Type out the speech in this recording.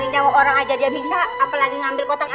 ngirain jauh orang aja dia miksa apalagi ngambil kotak iman